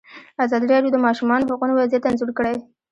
ازادي راډیو د د ماشومانو حقونه وضعیت انځور کړی.